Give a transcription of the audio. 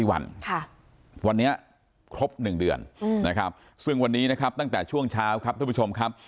วันนี้ครบ๑เดือนนะครับซึ่งวันนี้นะครับตั้งแต่ช่วงเช้าครับท่านผู้ชมครับ